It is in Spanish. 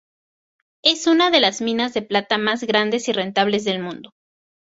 Es una de las minas de plata más grandes y rentables del mundo.